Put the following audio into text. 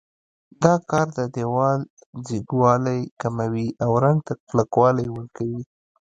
دا کار د دېوال ځیږوالی کموي او رنګ ته کلکوالی ورکوي.